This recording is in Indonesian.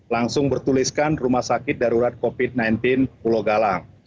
langsung bertuliskan rumah sakit darurat covid sembilan belas pulau galang